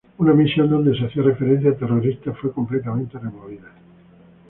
Una misión donde se hacía referencia a terroristas fue completamente removida.